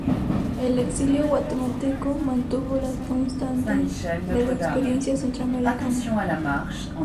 El exilio guatemalteco mantuvo las constantes de la experiencia centroamericana.